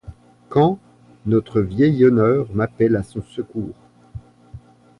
Quand notre vieil honneur m'appelle à son secours